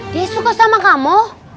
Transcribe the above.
dia suka sama kamu